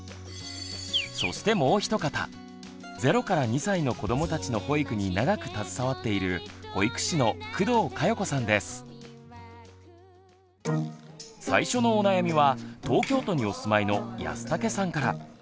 そしてもう一方０２歳の子どもたちの保育に長く携わっている最初のお悩みは東京都にお住まいの安武さんから。